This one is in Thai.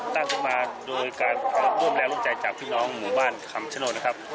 ตั้งขึ้นมาโดยการร่วมแรงร่วมใจจากพี่น้องหมู่บ้านคำชโนธนะครับ